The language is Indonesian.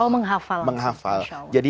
oh menghafal insya allah